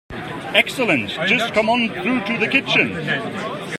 Excellent, just come on through to the kitchen.